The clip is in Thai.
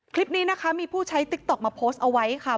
คลิปนี้นะคะมีผู้ใช้ติ๊กต๊อกมาโพสต์เอาไว้ค่ะ